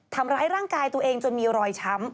ทำร้ายร่างกายตัวเองจนมีรอยช้ำ